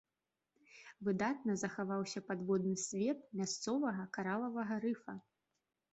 Выдатна захаваўся падводны свет мясцовага каралавага рыфа.